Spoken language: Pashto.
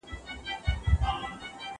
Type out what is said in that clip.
زه له پرون راهيسې کار کوم،